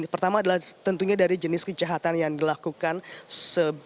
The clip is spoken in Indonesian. pertama adalah tentunya dari jenis kejahatan yang dilakukan se high risk apa dari kejahatan yang dilakukan